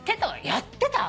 やってた？